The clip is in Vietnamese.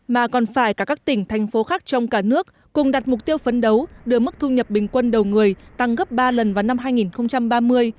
mà còn phải cả các tỉnh thành phố khác trong cả nước cùng đặt mục tiêu phấn đấu đưa mức thu nhập bình quân đầu người tăng gấp ba lần vào năm hai nghìn ba mươi